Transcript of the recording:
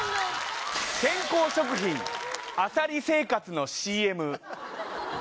健康食品、あさり生活のＣＭ。